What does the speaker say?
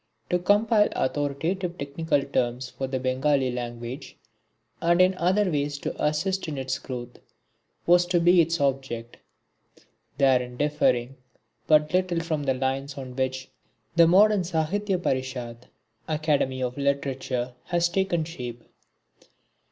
To compile authoritative technical terms for the Bengali language and in other ways to assist in its growth was to be its object therein differing but little from the lines on which the modern Sahitya Parishat, Academy of Literature, has taken shape.